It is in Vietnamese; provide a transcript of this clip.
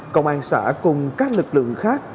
công an xã cùng các lực lượng khác